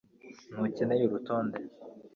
ntukeneye urutonde